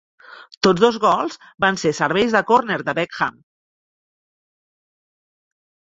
Tots dos gols van ser serveis de córner de Beckham.